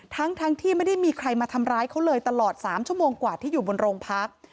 ทั้งที่ไม่ได้มีใครมาทำร้ายเขาเลยตลอด๓ชั่วโมงกว่าที่อยู่บนโรงพัก